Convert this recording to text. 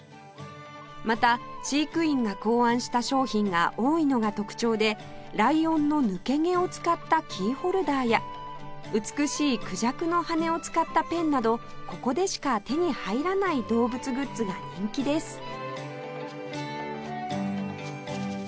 また飼育員が考案した商品が多いのが特徴でライオンの抜け毛を使ったキーホルダーや美しいクジャクの羽根を使ったペンなどここでしか手に入らない動物グッズが人気です